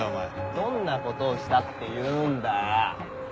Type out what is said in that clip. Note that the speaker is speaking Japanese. どんなことをしたっていうんだよ。